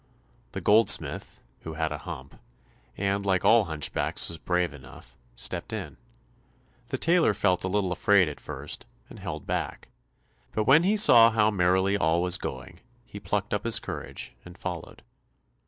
The goldsmith, who had a hump, and like all hunchbacks was brave enough, stepped in; the tailor felt a little afraid at first, and held back, but when he saw how merrily all was going, he plucked up his courage, and followed.